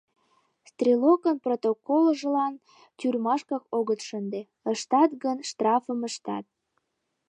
Стрелокын протоколжылан тюрьмашкак огыт шынде, ыштат гын, штрафым ыштат.